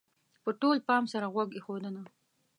-په ټول پام سره غوږ ایښودنه: